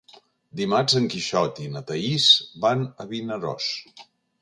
Dimarts en Quixot i na Thaís van a Vinaròs.